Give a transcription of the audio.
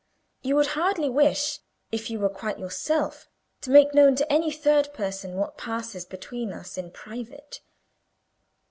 You would hardly wish, if you were quite yourself, to make known to any third person what passes between us in private."